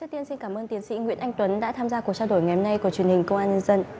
tiến sĩ nguyễn anh tuấn đã tham gia cuộc trao đổi ngày hôm nay của chương trình công an nhân dân